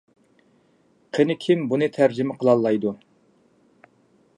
قېنى كىم بۇنى تەرجىمە قىلالايدۇ؟